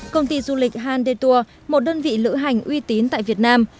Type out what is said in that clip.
công ty du lịch handetour một đơn vị lữ hành uy tín tại việt nam